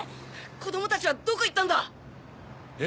子供たちはどこ行ったんだ？え？